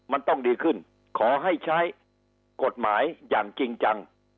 มันต้องดีขึ้นขอให้ใช้กฎหมายอย่างจริงจัง